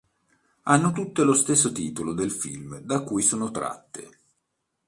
Hanno tutte lo stesso titolo del film da cui sono tratte.